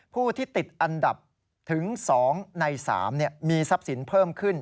ผู้ที่ติดอันดับถึง๒ใน๓มีทรัพย์สินเพิ่มขึ้น